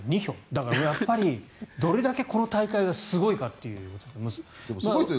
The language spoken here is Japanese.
だから、やっぱりどれだけこの大会がすごいかということだと思います。